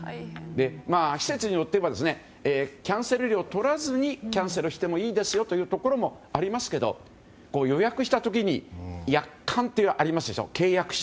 施設によってはキャンセル料を取らずにキャンセルしてもいいですよというところもありますが予約した時に約款ってありますでしょ、契約書。